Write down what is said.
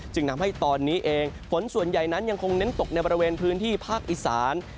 จึงทำให้ตอนนี้เองฝนส่วนใหญ่นั้นยังคงเน้นตกในบริเวณพื้นที่ภาคอีสาน